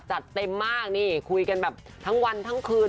จัดเต็มมากนี่คุยกันแบบทั้งวันทั้งคืน